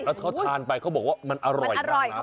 แล้วเขาทานไปเขาบอกว่ามันอร่อยมากนะ